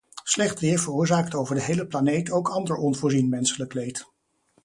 Slecht weer veroorzaakt over de hele planeet ook ander onvoorzien menselijk leed.